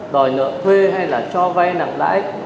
đòi nợ thuê hay là cho vay nặng lãi